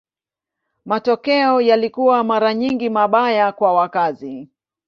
Matokeo yalikuwa mara nyingi mabaya kwa wakazi.